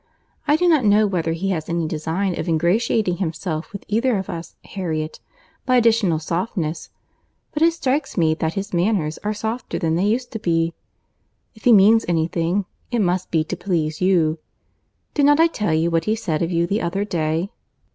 I do not know whether he has any design of ingratiating himself with either of us, Harriet, by additional softness, but it strikes me that his manners are softer than they used to be. If he means any thing, it must be to please you. Did not I tell you what he said of you the other day?"